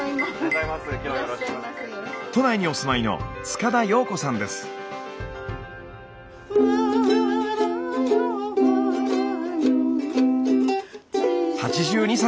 都内にお住まいの８２歳。